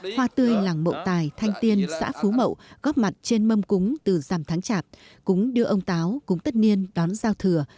hoa tươi làng mậu tài thanh tiên xã phú mậu góp mặt trên mâm cúng từ dằm tháng chạp cũng đưa ông táo cúng tất niên đón giao thừa